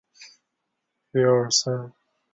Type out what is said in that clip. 热讷伊人口变化图示